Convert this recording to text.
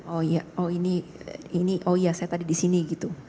oh iya oh ini ini oh iya saya tadi disini gitu